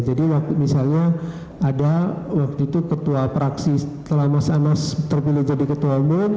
jadi misalnya ada waktu itu ketua praksi setelah mas anas terpilih jadi ketua umum